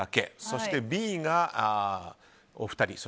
そしてＢがお二人。